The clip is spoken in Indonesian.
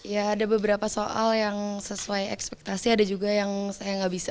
ya ada beberapa soal yang sesuai ekspektasi ada juga yang saya nggak bisa